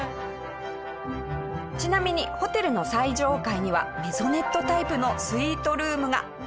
ちなみにホテルの最上階にはメゾネットタイプのスイートルームが。